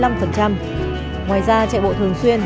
ngoài ra chạy bộ thường xuyên